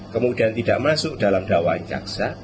kemudian tidak masuk dalam dakwaan jaksa